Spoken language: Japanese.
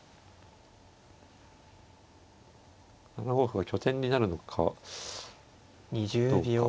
７五歩は拠点になるのかどうか。